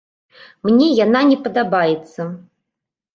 Мне яна не падабаецца.